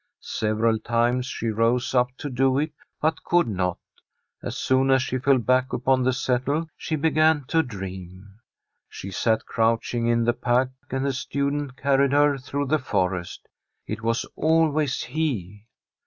Several times she rose up to do it, but could not. As soon as she fell back upon the settle she began to dream. She sat crouching in the pack and the student carried her through the forest. It was always he.